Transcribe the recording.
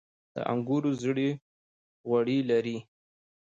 د انګورو زړې غوړي لري.